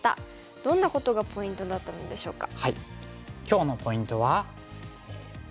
どんなことがポイントだったのでしょうか？